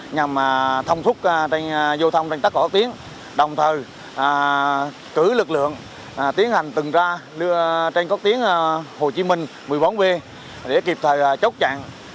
nhằm thông thúc giao thông trên tắc cỏ cốt tiến đồng thời cử lực lượng tiến hành từng ra trên cốt tiến hồ chí minh một mươi bốn b để kịp thời chốc chặn